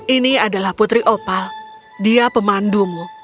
ini adalah putri opal dia pemandumu